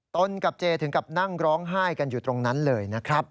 ตนกับเจถึงกับนั่งร้องไห้กันอยู่ตรงนั้นเลยนะครับ